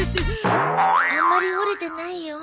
あんまり掘れてないよ。